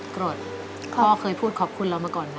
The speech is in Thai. โกรธพ่อเคยพูดขอบคุณเรามาก่อนค่ะ